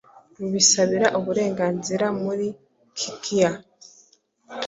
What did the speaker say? rubisabira uburenganzira muri kikioa,